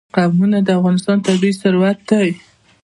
قومونه د افغانستان طبعي ثروت دی.